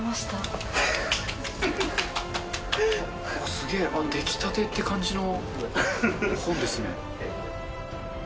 すげえ、出来たてって感じの本ですね。